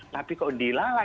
tapi kok dilalah